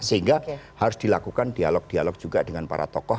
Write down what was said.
sehingga harus dilakukan dialog dialog juga dengan para tokoh